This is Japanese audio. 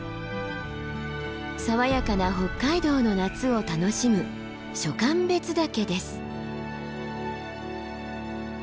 爽やかな北海道の夏を楽しむ暑寒別岳です。